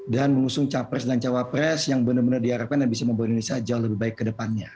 dan mengusung capres dan cawapres yang benar benar diharapkan bisa membuat indonesia jauh lebih baik ke depannya